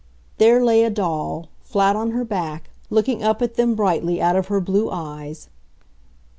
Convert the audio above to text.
There lay a doll, flat on her back, looking up at them brightly out of her blue eyes.